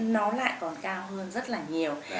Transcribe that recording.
nó lại còn cao hơn rất là nhiều